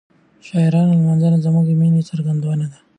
د شاعرانو لمانځنه زموږ د مینې څرګندونه ده.